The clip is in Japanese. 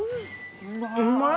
うまい！